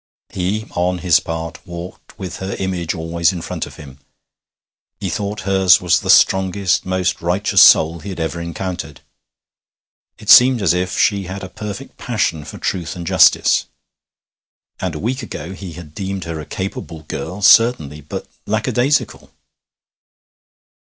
He, on his part, walked with her image always in front of him. He thought hers was the strongest, most righteous soul he had ever encountered; it seemed as if she had a perfect passion for truth and justice. And a week ago he had deemed her a capable girl, certainly but lackadaisical!